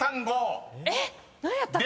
えっ何やったっけ？